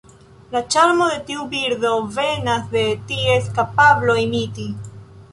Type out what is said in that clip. La ĉarmo de tiu birdo venas de ties kapablo imiti.